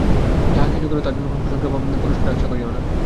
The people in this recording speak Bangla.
যাহা কিছু কর, তার জন্য কোন প্রশংসা বা পুরস্কারের আশা করিও না।